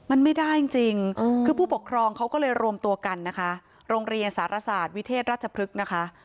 มันไม่ได้จริงคือผู้ปกครองเขาก็เลยรวมตัวกันนะคะโรงเรียนสารศาสตร์วิเทศราชพฤกษ์นะคะ